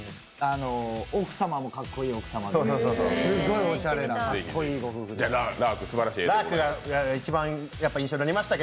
奥様もかっこいい奥様で、すごいおしゃれなご夫婦でした。